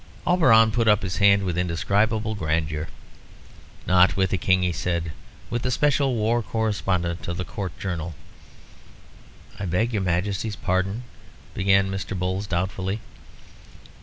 Auberon put up his hand with indescribable grandeur. "Not with the King," he said; "with the special war correspondent of the Court Journal." "I beg your Majesty's pardon," began Mr. Bowles, doubtfully.